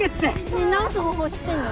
ねえ治す方法知ってんの？